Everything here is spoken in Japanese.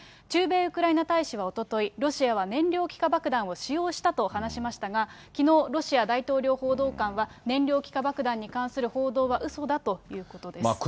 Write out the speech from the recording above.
駐米ウクライナ大使はおととい、ロシアは燃料気化爆弾を使用したと話しましたが、きのう、ロシア大統領報道官は、燃料気化爆弾に関する報道はうそだということです。